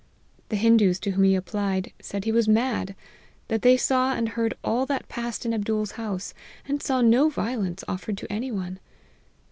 The Hindoos to whom he applied, said he was mad ; that they saw and heard all that passed in Abdool's house, and saw no violence offered to any one.